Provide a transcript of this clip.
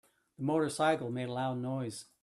The motorcycle made loud noise.